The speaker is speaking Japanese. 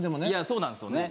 そうなんですよね。